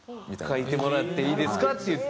「書いてもらっていいですか？」って言って。